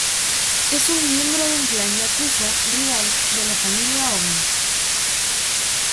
Es un miembro de un clan yakuza rival de la familia Ōmi.